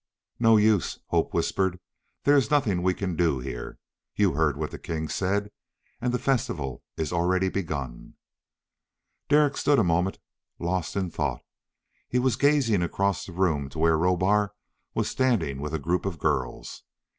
"No use," Hope whispered. "There is nothing we can do here. You heard what the king said and the festival is already begun." Derek stood a moment, lost in thought. He was gazing across the room to where Rohbar was standing with a group of girls.